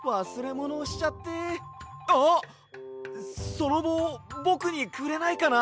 そのぼうぼくにくれないかな？